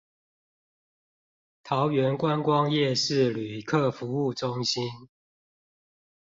桃園觀光夜市旅客服務中心